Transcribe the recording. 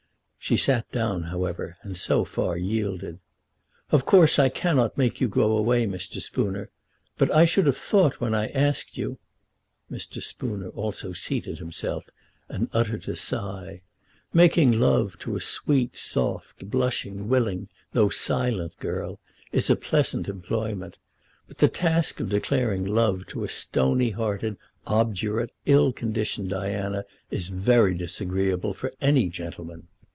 She sat down, however, and so far yielded. "Of course I cannot make you go away, Mr. Spooner; but I should have thought, when I asked you " Mr. Spooner also seated himself, and uttered a sigh. Making love to a sweet, soft, blushing, willing, though silent girl is a pleasant employment; but the task of declaring love to a stony hearted, obdurate, ill conditioned Diana is very disagreeable for any gentleman.